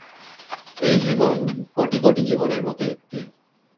এই জীবন কোটি কোটি জীবনের মত একটি।